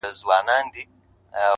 گلي نن بيا راته راياده سولې’